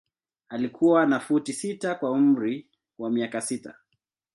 Alikuwa na futi sita kwa umri wa miaka sita.